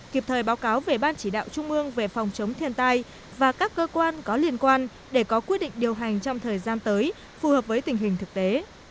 kịp thời báo cáo về ban chỉ đạo trung ương về phòng chống thiên tai và các cơ quan có liên quan để có quyết định điều hành trong thời gian tới phù hợp với tình hình thực tế